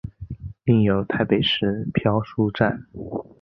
另有台北市漂书站。